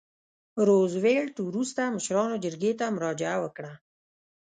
روزولټ وروسته مشرانو جرګې ته مراجعه وکړه.